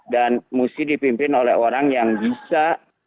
dan mesti dipimpin oleh orang yang bisa